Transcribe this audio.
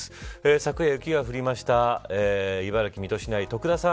昨夜、雪が降りました茨城、水戸市内、徳田さん